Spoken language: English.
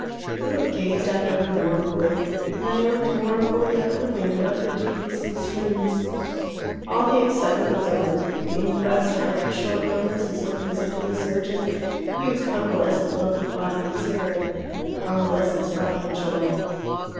Philip gazed after her mournfully, and then he looked mournfully out of the window at the decreasing streams. All the excitement was over the inquest, Harriet's short illness, his own visit to the surgeon. He was convalescent, both in body and spirit, but convalescence brought no joy.